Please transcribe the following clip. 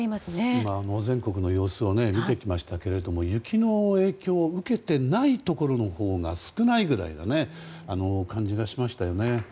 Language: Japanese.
今、全国の様子を見てきましたが雪の影響を受けていないところのほうが少ないぐらいの感じがしましたよね。